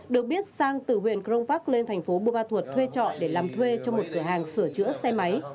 được biết sang từ huyện cronvac lên thành phố bùa ba thuột thuê trọ để làm thuê cho một cửa hàng sửa chữa xe máy